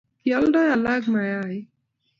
Kioldoi alak mayaik